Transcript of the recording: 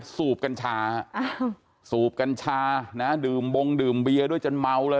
สูบกัญชาสูบกัญชานะดื่มบงดื่มเบียด้วยจนเมาเลย